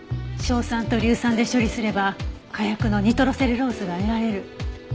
硝酸と硫酸で処理すれば火薬のニトロセルロースが得られる。